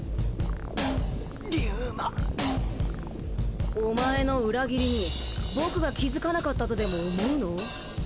うリュウマお前の裏切りに僕が気づかなかったとでも思うの？